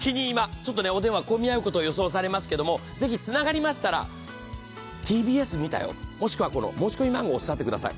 お電話、混み合うこと予想されますけれども、ぜひつながりましたら、ＴＢＳ見たよ、もしくは申し込み番号をおっしゃってください。